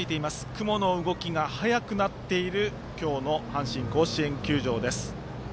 雲の動きが早くなっている今日の阪神甲子園球場です。